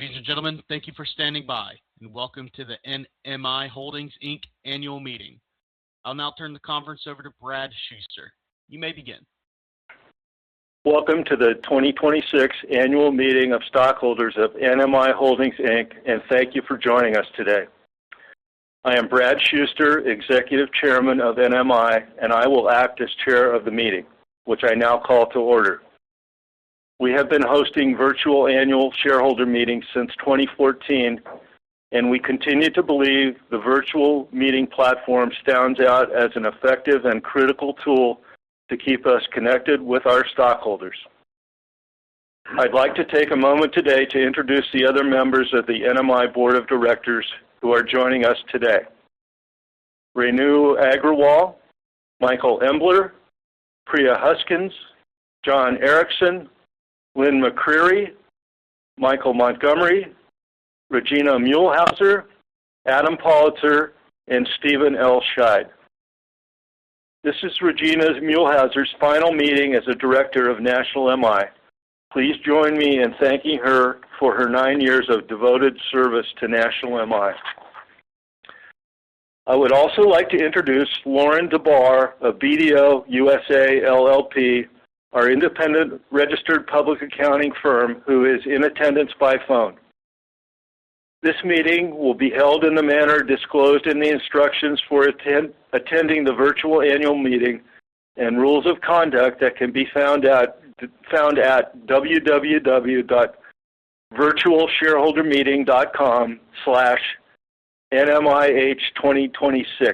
Ladies and gentlemen, thank you for standing by, and welcome to the NMI Holdings, Inc. annual meeting. I'll now turn the conference over to Brad Shuster. You may begin. Welcome to the 2026 annual meeting of stockholders of NMI Holdings, Inc., and thank you for joining us today. I am Brad Shuster, Executive Chairman of NMI, and I will act as chair of the meeting, which I now call to order. We have been hosting virtual annual shareholder meetings since 2014, and we continue to believe the virtual meeting platform stands out as an effective and critical tool to keep us connected with our stockholders. I'd like to take a moment today to introduce the other members of the NMI Board of Directors who are joining us today. Renu Agrawal, Michael Embler, Priya Huskins, John Erickson, Lynn S. McCreary, Michael Montgomery, Regina Muehlhauser, Adam Pollitzer, and Steven L. Scheid. This is Regina Muehlhauser's final meeting as a director of National MI. Please join me in thanking her for her nine years of devoted service to National MI. I would also like to introduce Lauren DeBarr of BDO USA, LLP, our independent registered public accounting firm, who is in attendance by phone. This meeting will be held in the manner disclosed in the instructions for attending the virtual annual meeting and rules of conduct that can be found at www.virtualshareholdermeeting.com/NMIH2026.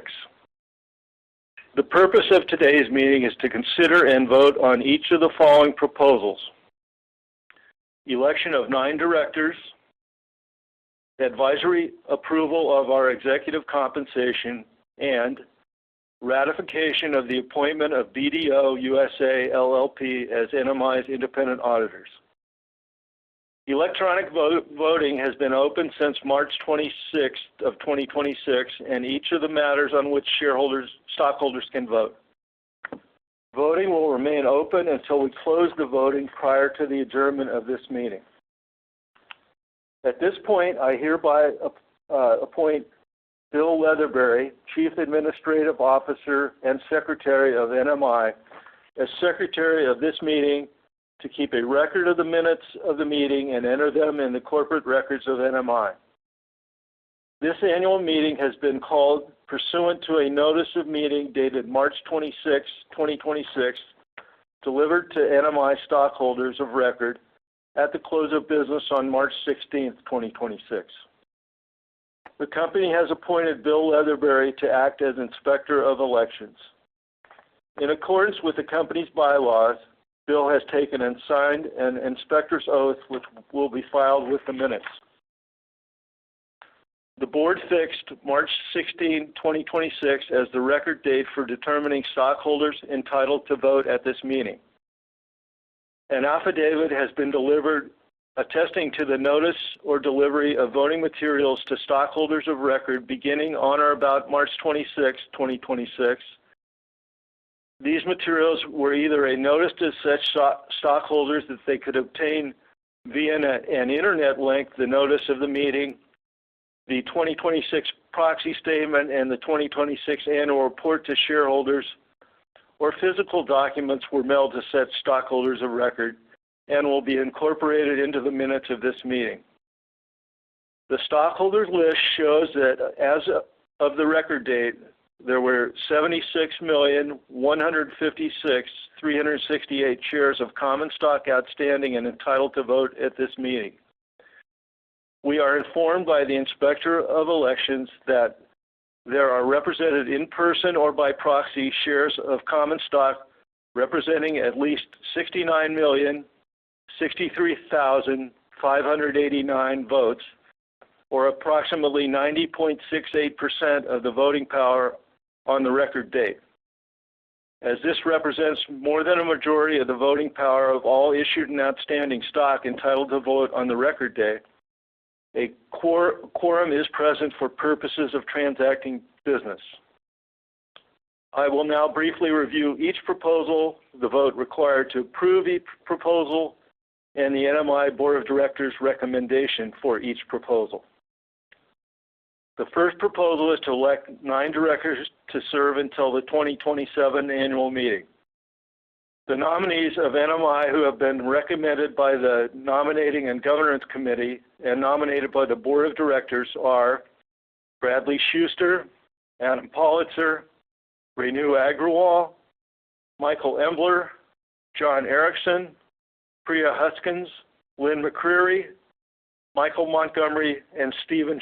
The purpose of today's meeting is to consider and vote on each of the following proposals. Election of nine directors, advisory approval of our executive compensation, and ratification of the appointment of BDO USA, LLP as NMI's independent auditors. Voting has been open since March 26th of 2026 in each of the matters on which stockholders can vote. Voting will remain open until we close the voting prior to the adjournment of this meeting. At this point, I hereby appoint Bill Leatherberry, Chief Administrative Officer and Secretary of NMI, as secretary of this meeting to keep a record of the minutes of the meeting and enter them in the corporate records of NMI. This annual meeting has been called pursuant to a notice of meeting dated March 26, 2026, delivered to NMI stockholders of record at the close of business on March 16th, 2026. The company has appointed Bill Leatherberry to act as Inspector of Elections. In accordance with the company's bylaws, Bill has taken and signed an inspector's oath, which will be filed with the minutes. The board fixed March 16, 2026 as the record date for determining stockholders entitled to vote at this meeting. An affidavit has been delivered attesting to the notice or delivery of voting materials to stockholders of record beginning on or about March 26, 2026. These materials were either a notice to such stockholders that they could obtain via an internet link the notice of the meeting, the 2026 proxy statement, and the 2026 annual report to shareholders, or physical documents were mailed to such stockholders of record and will be incorporated into the minutes of this meeting. The stockholders' list shows that as of the record date, there were 76,156,368 shares of common stock outstanding and entitled to vote at this meeting. We are informed by the Inspector of Elections that there are represented in person or by proxy shares of common stock representing at least 69,063,589 votes or approximately 90.68% of the voting power on the record date. As this represents more than a majority of the voting power of all issued and outstanding stock entitled to vote on the record date, a quorum is present for purposes of transacting business. I will now briefly review each proposal, the vote required to approve each proposal, and the NMI Board of Directors' recommendation for each proposal. The first proposal is to elect nine directors to serve until the 2027 annual meeting. The nominees of NMI who have been recommended by the Governance and Nominating Committee and nominated by the Board of Directors are Bradley Shuster, Adam Pollitzer, Renu Agrawal, Michael Embler, John Erickson, Priya Huskins, Lynn McCreary, Michael Montgomery, and Steven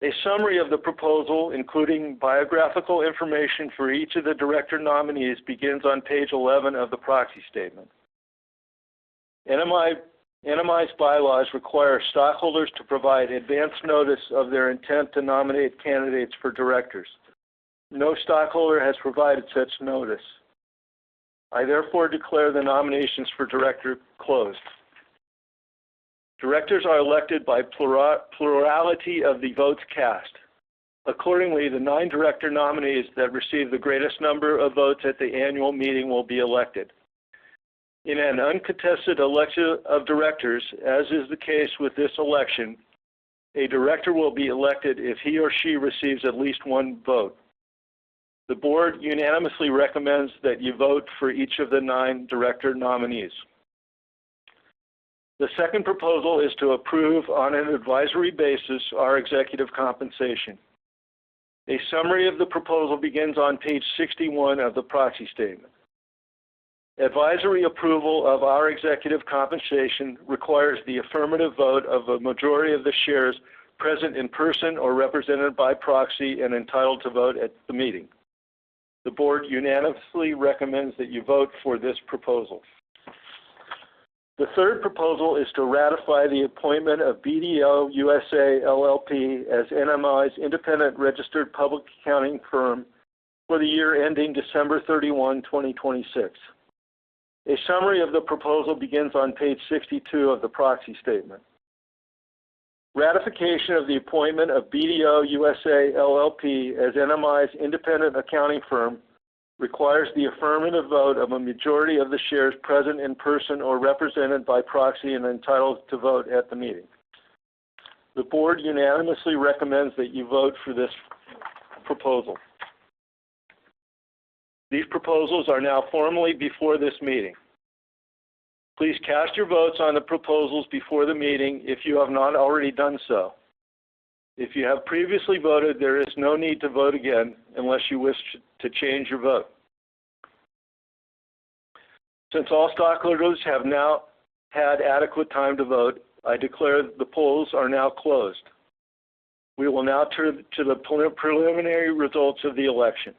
Scheid. A summary of the proposal, including biographical information for each of the director nominees, begins on page 11 of the proxy statement. NMI's bylaws require stockholders to provide advance notice of their intent to nominate candidates for directors. No stockholder has provided such notice. I therefore declare the nominations for director closed. Directors are elected by plurality of the votes cast. Accordingly, the nine director nominees that receive the greatest number of votes at the annual meeting will be elected. In an uncontested election of directors, as is the case with this election, a director will be elected if he or she receives at least one vote. The board unanimously recommends that you vote for each of the nine director nominees. The second proposal is to approve on an advisory basis our executive compensation. A summary of the proposal begins on page 61 of the proxy statement. Advisory approval of our executive compensation requires the affirmative vote of a majority of the shares present in person or represented by proxy and entitled to vote at the meeting. The board unanimously recommends that you vote for this proposal. The third proposal is to ratify the appointment of BDO USA, LLP as NMI's independent registered public accounting firm for the year ending December 31, 2026. A summary of the proposal begins on page 62 of the proxy statement. Ratification of the appointment of BDO USA, LLP as NMI's independent accounting firm requires the affirmative vote of a majority of the shares present in person or represented by proxy and entitled to vote at the meeting. The board unanimously recommends that you vote for this proposal. These proposals are now formally before this meeting. Please cast your votes on the proposals before the meeting if you have not already done so. If you have previously voted, there is no need to vote again unless you wish to change your vote. Since all stockholders have now had adequate time to vote, I declare the polls are now closed. We will now turn to the pre-preliminary results of the election.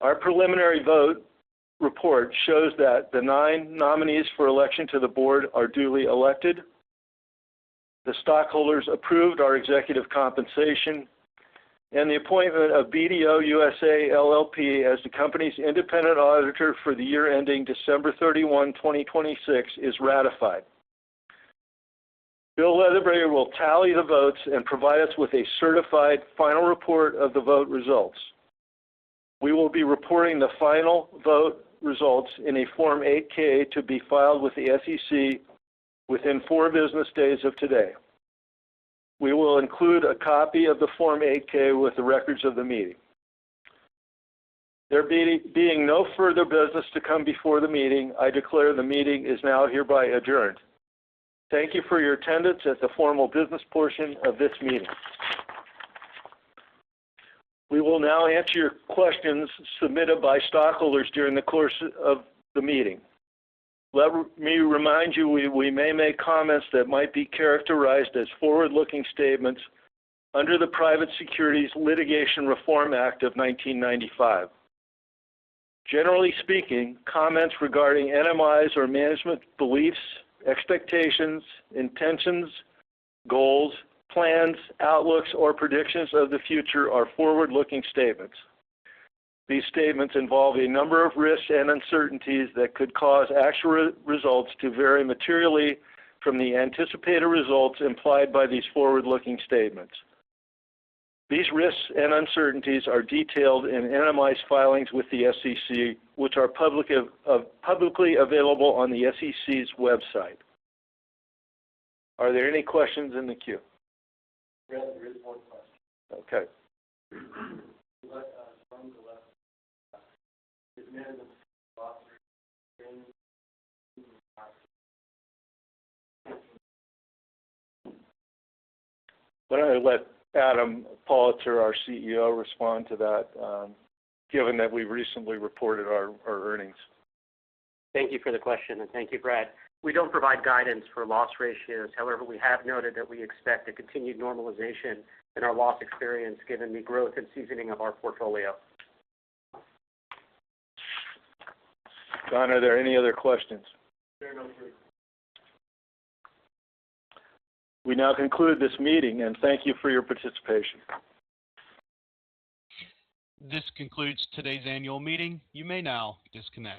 Our preliminary vote report shows that the nine nominees for election to the board are duly elected, the stockholders approved our executive compensation, and the appointment of BDO USA, LLP as the company's independent auditor for the year ending December 31, 2026 is ratified. Bill Leatherberry will tally the votes and provide us with a certified final report of the vote results. We will be reporting the final vote results in a Form 8-K to be filed with the SEC within four business days of today. We will include a copy of the Form 8-K with the records of the meeting. There being no further business to come before the meeting, I declare the meeting is now hereby adjourned. Thank you for your attendance at the formal business portion of this meeting. We will now answer your questions submitted by stockholders during the course of the meeting. Let me remind you, we may make comments that might be characterized as forward-looking statements under the Private Securities Litigation Reform Act of 1995. Generally speaking, comments regarding NMI's or management beliefs, expectations, intentions, goals, plans, outlooks, or predictions of the future are forward-looking statements. These statements involve a number of risks and uncertainties that could cause actual results to vary materially from the anticipated results implied by these forward-looking statements. These risks and uncertainties are detailed in NMI's filings with the SEC, which are publicly available on the SEC's website. Are there any questions in the queue? Brad, there is one question. Okay. From the left. Is management? [inaudible] Why don't I let Adam Pollitzer, our CEO, respond to that, given that we recently reported our earnings. Thank you for the question, and thank you, Brad. We don't provide guidance for loss ratios. However, we have noted that we expect a continued normalization in our loss experience given the growth and seasoning of our portfolio. Don, are there any other questions? There are no further questions. We now conclude this meeting and thank you for your participation. This concludes today's annual meeting. You may now disconnect.